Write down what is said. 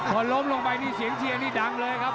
พอล้มลงไปนี่เสียงเชียร์นี่ดังเลยครับ